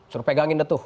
suruh pegangin deh tuh